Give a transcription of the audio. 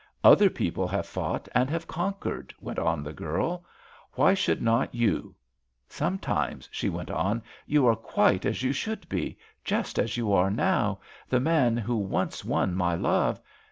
"Other people have fought and have conquered," went on the girl. "Why should not you? Sometimes," she went on, "you are quite as you should be, just as you are now—the man who once won my love.